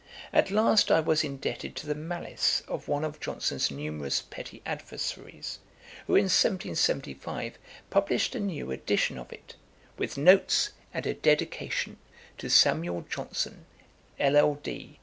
At last I was indebted to the malice of one of Johnson's numerous petty adversaries, who, in 1775, published a new edition of it, 'with Notes and a Dedication to SAMUEL JOHNSON, LL.D.